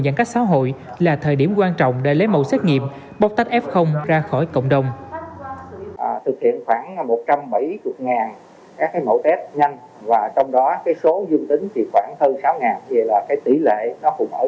giãn cách xã hội là thời điểm quan trọng để lấy mẫu xét nghiệm bóc tách f ra khỏi cộng đồng